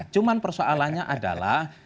cuman persoalannya adalah